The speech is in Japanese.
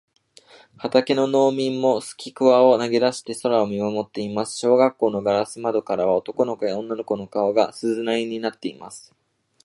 畑の農民もすきくわを投げだして空を見まもっています。小学校のガラス窓からは、男の子や女の子の顔が、鈴なりになっています。